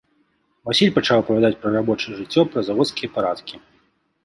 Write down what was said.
Васіль пачаў апавядаць пра рабочае жыццё, пра заводскія парадкі.